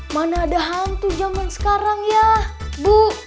mana ada hantu zaman sekarang ya bu